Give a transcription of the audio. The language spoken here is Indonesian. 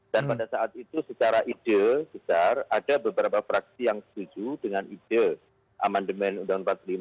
dan pada saat itu secara ide besar ada beberapa fraksi yang setuju dengan ide amandemen uu empat puluh lima